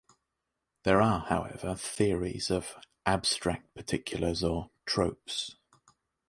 There are, however, theories of "abstract particulars" or "tropes".